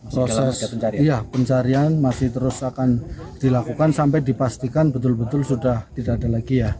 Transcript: proses pencarian masih terus akan dilakukan sampai dipastikan betul betul sudah tidak ada lagi ya